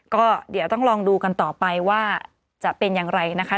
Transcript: ก็เดี๋ยวต้องลองดูกันต่อไปว่าจะเป็นอย่างไรนะคะ